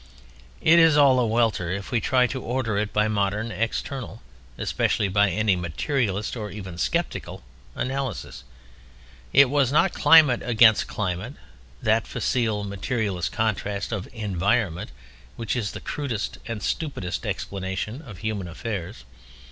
It is all a welter if we try to order it by modern, external—especially by any materialist or even skeptical—analysis. It was not climate against climate—that facile materialist contrast of "environment," which is the crudest and stupidest explanation of human affairs.